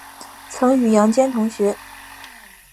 曾与杨坚同学。